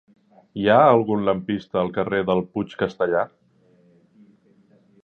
Hi ha algun lampista al carrer del Puig Castellar?